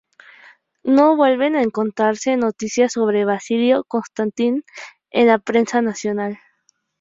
No vuelven a encontrarse noticias sobre Basilio Constantin en la prensa nacional.